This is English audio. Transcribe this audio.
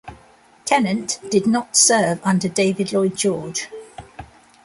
Tennant did not serve under David Lloyd George.